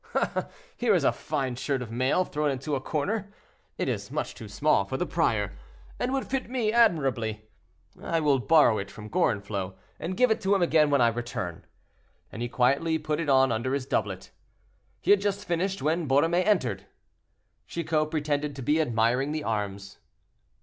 Oh! here is a fine shirt of mail thrown into a corner; it is much too small for the prior, and would fit me admirably. I will borrow it from Gorenflot, and give it to him again when I return." And he quietly put it on under his doublet. He had just finished when Borromée entered. Chicot pretended to be admiring the arms.